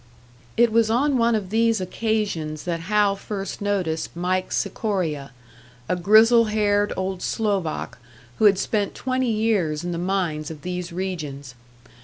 It was on one of these occasions that Hal first noticed Mike Sikoria, a grizzle haired old Slovak, who had spent twenty years in the mines of these regions.